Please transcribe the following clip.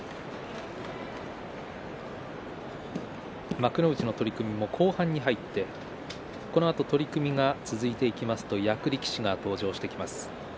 幕内の取組も後半に入ってこのあと取組が続いてきますと役力士が登場してきます。